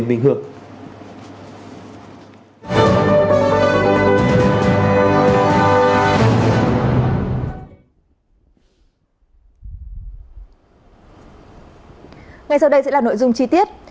ngay sau đây sẽ là nội dung chi tiết